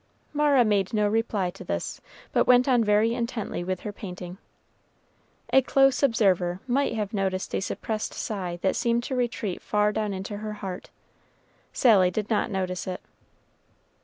Mara made no reply to this, but went on very intently with her painting. A close observer might have noticed a suppressed sigh that seemed to retreat far down into her heart. Sally did not notice it.